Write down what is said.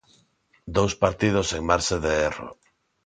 Dous partidos sen marxe de erro.